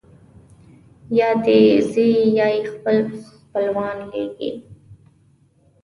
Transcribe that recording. یا دی ځي یا یې خپل خپلوان لېږي.